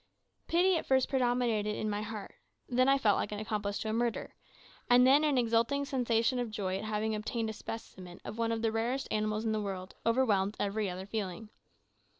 Pity at first predominated in my heart, then I felt like an accomplice to a murder, and then an exulting sensation of joy at having obtained a specimen of one of the rarest animals in the world overwhelmed every other feeling.